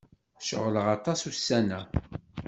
Ceɣleɣ aṭas ussan-a.